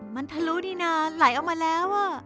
มันทะลุนี่นานไหลออกมาแล้ว